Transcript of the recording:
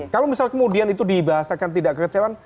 kalau misal kemudian itu dibahasakan tidak kekecewaan